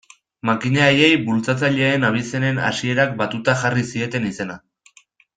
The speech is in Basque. Makina haiei bultzatzaileen abizenen hasierak batuta jarri zieten izena.